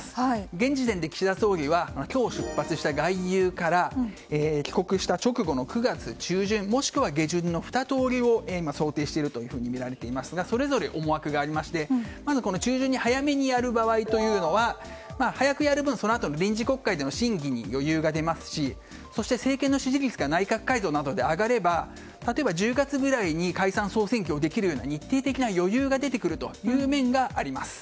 現時点で岸田総理は今日、出発した外遊から帰国した直後の９月中旬もしくは下旬の２通りを今、想定しているとみられていますがそれぞれ思惑がありましてまず中旬、早めにやる場合は早くやる分そのあとの臨時国会の審議に余裕が出ますしそして、政権支持率が内閣改造などで上がれば例えば１０月ぐらいに解散・総選挙ができる日程的な余裕が出てくるという面があります。